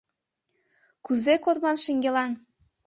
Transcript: Кузе кодман шеҥгелан!